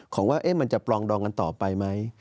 ของว่ามันจะปลองดองกันต่อไปไหม